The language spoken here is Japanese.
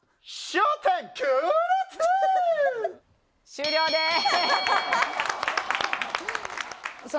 終了です。